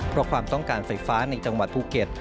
เพราะความต้องการไฟฟ้าในจังหวัดภูเก็ต